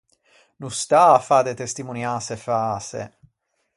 No stâ à fâ de testimonianse fäse.